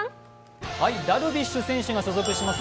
ダルビッシュ選手が所属します